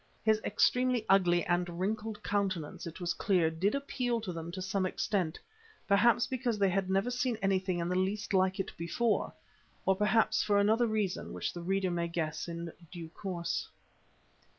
His extremely ugly and wrinkled countenance, it was clear, did appeal to them to some extent, perhaps because they had never seen anything in the least like it before, or perhaps for another reason which the reader may guess in due course.